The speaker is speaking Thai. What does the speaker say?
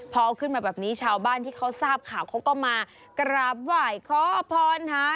พอขึ้นมาแบบนี้ชาวบ้านที่เขาทราบข่าวเขาก็มากราบไหว้ขอพรหา